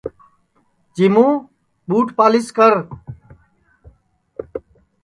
چِیمُوں ٻوٹ پالِیس کر